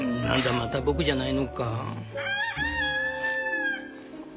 また僕じゃないのか」。